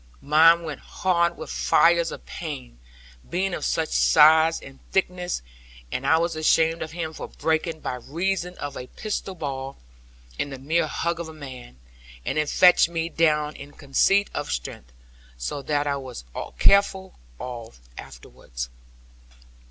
Mine went hard with fires of pain, being of such size and thickness; and I was ashamed of him for breaking by reason of a pistol ball, and the mere hug of a man. And it fetched me down in conceit of strength; so that I was careful afterwards.